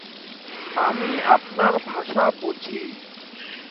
আমি আপনার ভাষা বুঝি।